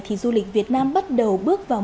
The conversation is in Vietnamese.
thì du lịch việt nam bắt đầu bước vào